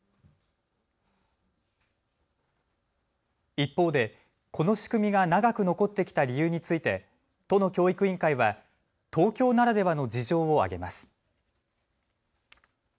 一方でこの仕組みが長く残ってきた理由について都の教育委員会は東京ならではの事情を挙げます。